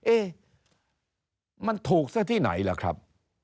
เอ๊ะมันถูกซะที่ไหนล่ะครับ